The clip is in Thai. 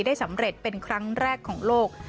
ได้สำเร็จเป็นครั้งแรกของโลก